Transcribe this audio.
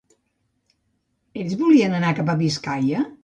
Ells volien anar cap a Biscaia?